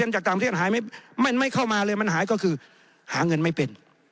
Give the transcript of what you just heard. จากต่างประเทศหายไม่เข้ามาเลยมันหายก็คือหาเงินไม่เป็น